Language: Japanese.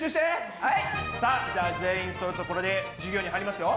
さあじゃあ全員そろったところで授業に入りますよ。